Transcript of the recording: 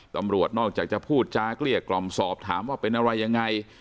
ตำรวจนอกจากจะพูดจาเกลี้ยกล่อมสอบถามว่าเป็นอะไรยังไง